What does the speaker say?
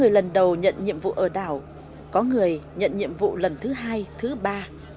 lần đầu nhận nhiệm vụ ở đảo có người nhận nhiệm vụ lần thứ hai thứ ba